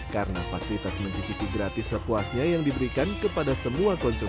karena fasilitas mencicipi gratis sepuasnya yang diberikan kepada semua konsumen